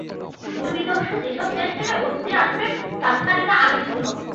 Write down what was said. যুদ্ধবিধ্বস্ত যেসব দেশ থেকে অতিথি আসবেন, তাঁদের তালিকা আগে দিতে হবে।